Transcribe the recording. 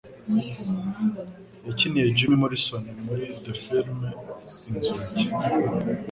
Yakiniye Jim Morrison Mu The Film "inzugi"?